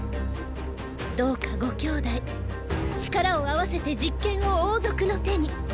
どうかご兄弟力を合わせて実権を王族の手に。